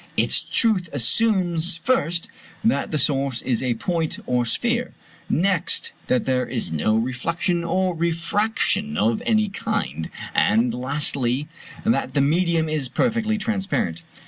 Its truth assumes, first, that the source is a point or sphere; next, that there is no reflection or refraction of any kind; and lastly, that the medium is perfectly transparent.